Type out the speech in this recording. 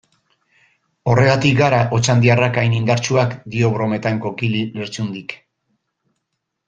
Horregatik gara otxandiarrak hain indartsuak, dio brometan Koikili Lertxundik.